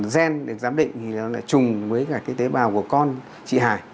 gen để giám định thì nó là chung với tế bào của con chị hải